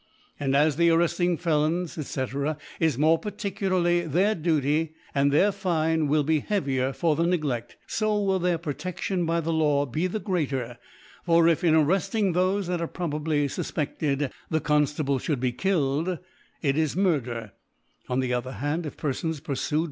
' And as the arrtfting Felons, &?f, is more particularly their Duty, and tht^ir Fine will be heavier for the Negled, fo will their Pro tedion by the Law be the greater : For if, m arrefting thofe that are probably fu/peffed^ . the Conftable Ihould be killed, it is Mur der ; on the other Hand, if Perfons purfucd.